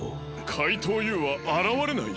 かいとうＵはあらわれない？